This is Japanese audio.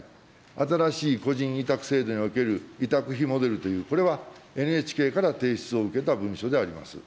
新しい個人委託制度における委託費モデルという、これはＮＨＫから提出を受けた文書であります。